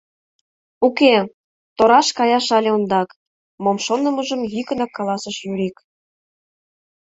— Уке, тораш каяш але ондак, — мом шонымыжым йӱкынак каласыш Юрик.